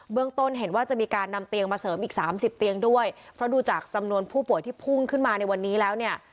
ต้นเห็นว่าจะมีการนำเตียงมาเสริมอีกสามสิบเตียงด้วยเพราะดูจากจำนวนผู้ป่วยที่พุ่งขึ้นมาในวันนี้แล้วเนี่ย